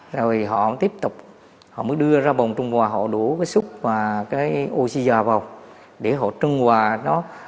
rồi họ tiếp tục họ mới đưa ra bồng trưng hòa họ đũa cái suc và cái oxygene vào để họ trưng hòa nó